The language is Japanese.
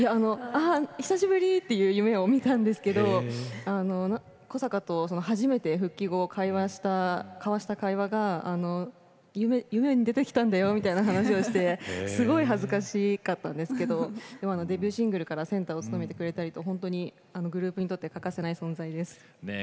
久しぶり！というような夢をみたんですけれど小坂と初めて復帰後交わした会話が夢に出てきたんだよみたいな感じですごく恥ずかしかったんですけれどデビューシングルからセンターを務めてくれたりとグループにとって欠かせない存在です。